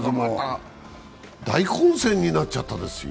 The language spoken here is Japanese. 大混戦になっちゃったですよ。